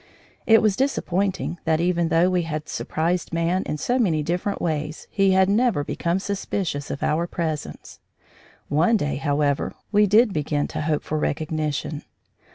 It was disappointing that even although we had surprised man in so many different ways, he had never become suspicious of our presence. One day, however, we did begin to hope for recognition.